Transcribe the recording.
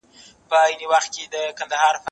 زه به سبا د زده کړو تمرين وکړم!.